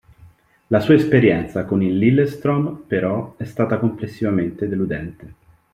La sua esperienza con il Lillestrøm, però, è stata complessivamente deludente.